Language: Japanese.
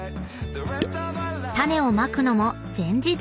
［種をまくのも全自動］